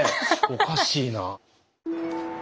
おかしいな。